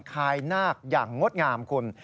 คายนาคอย่างงดงามคุณ